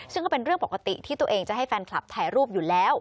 ซึ่งก็เป็นเรื่องปกติที่ตัวเองจะให้แฟนคลับถ่ายรูปอยู่แล้ว